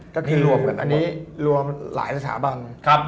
อเจมส์อันนี้รวมหลายสถาบัน